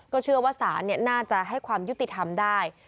เชื่อว่าศาลน่าจะให้ความยุติธรรมได้